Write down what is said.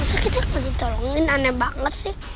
masa kita kok ditolongin aneh banget sih